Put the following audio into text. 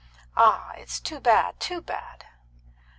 Ah, it's too bad, too bad!